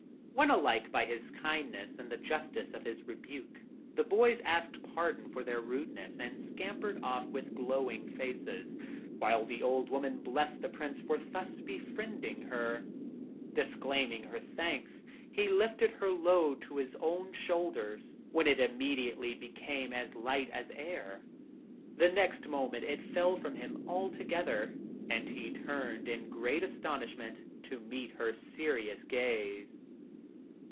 Won alike by his kindness and the justice of his rebuke, the boys asked pardon for their rudeness, and scampered off with glowing faces, while the old woman blessed the Prince for thus befriending her. Disclaiming her thanks, he lifted her load to his own shoulders, when it immediately became as light as air. The next moment it fell from him altogether; and he turned in great astonishment to meet her serious gaze.